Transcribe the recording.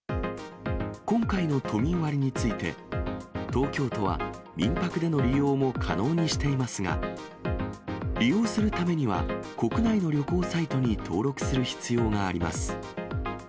今回の都民割について、東京都は民泊での利用も可能にしていますが、利用するためには、国内の旅行サイトに登録する必要があります。